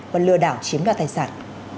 và lừa đảo chiếm đoạt tài sản